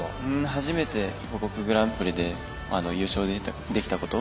初めて母国グランプリで優勝できたこと